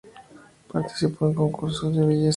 Participó en concursos de belleza.